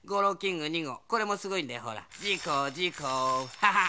ハハッ。